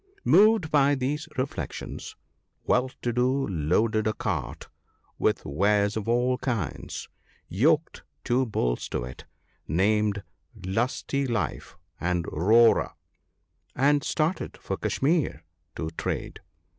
Moved by these reflections Well to do loaded a cart with wares of all kinds, yoked two bulls to it, named Lusty life and Roarer, and started for Kashmir to trade.